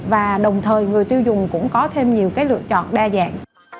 và đồng thời người tiêu dùng cũng có thêm nhiều cái lựa chọn